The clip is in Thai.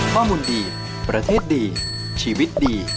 ข้อมูลดีประเทศดีชีวิตดี